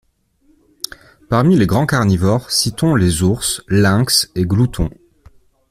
Parmi les grands carnivores, citons les ours, lynx, et gloutons.